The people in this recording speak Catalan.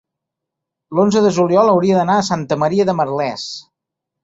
l'onze de juliol hauria d'anar a Santa Maria de Merlès.